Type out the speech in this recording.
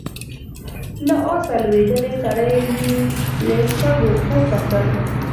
له آسه لوېدلی سړی يې له شګو پورته کړ.